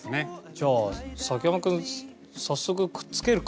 じゃあ崎山君早速くっつけるかボディと。